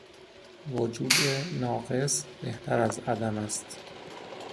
وجود ناقص بهتر از عدم است.